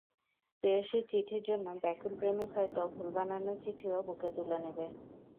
প্রেয়সীর চিঠির জন্য ব্যাকুল প্রেমিক হয়তো ভুল বানানের চিঠিও বুকে তুলে নেবে।